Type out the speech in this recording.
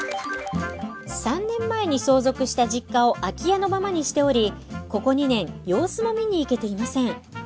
３年前に相続した実家を空き家のままにしておりここ２年様子も見に行けていません。